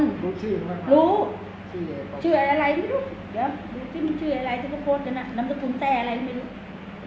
รู้ชื่อรู้ชื่ออะไรไม่รู้เดี๋ยวรู้ชื่อมันชื่ออะไรที่เขาโพสกันอ่ะนำสกุลแซ่อะไรไม่รู้